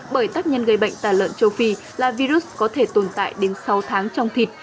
bởi tác nhân gây bệnh tà lợn châu phi là virus có thể tồn tại đến sáu tháng trong thịt